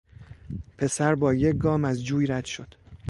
پسر بایک گام از جوی رد شد.